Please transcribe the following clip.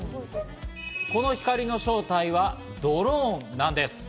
この光の正体は、ドローンなんです。